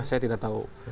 saya tidak tahu